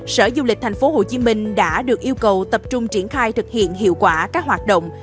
sở du lịch thành phố hồ chí minh đã được yêu cầu tập trung triển khai thực hiện hiệu quả các hoạt động